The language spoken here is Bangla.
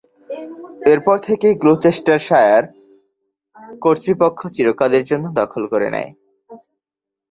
এরপর থেকেই গ্লুচেস্টারশায়ার কর্তৃপক্ষ চিরকালের জন্য দখল করে নেয়।